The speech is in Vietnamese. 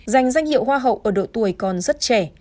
giành danh hiệu hoa hậu ở độ tuổi còn rất trẻ